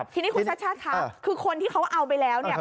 ทีนี้คุณชัชชาติค่ะคือคนที่เขาเอาไปแล้วเนี่ย